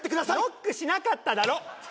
ノックしなかっただろ！